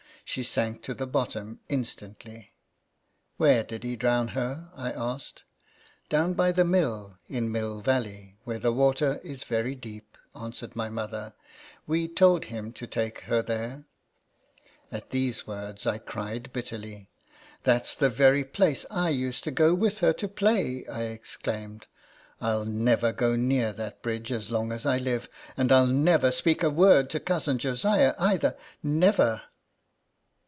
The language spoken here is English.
She sank to the bottom instantly." INTRODUCTION. 23 " Where did he drown her ?" I asked. " Down by the mill, in Mill Valley, where the water is very deep," answered my mother ;" we told him to take her there." /.'.;'.'. At these words I cried bitterly. " That 's the very place I used to go with her to play," I exclaimed. " I '11 never go near that bridge as long as I live, and I '11 never speak a word to Cousin Josiah either never